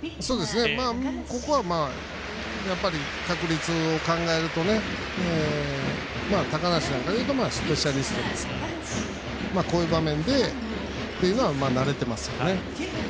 ここは確率を考えると高梨なんかでいうとスペシャリストですからこういう場面でっていうのは慣れてますよね。